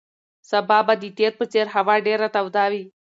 سبا به د تېر په څېر هوا ډېره توده وي.